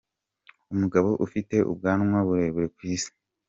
Umugabo ufite ubwanwa burere ku isi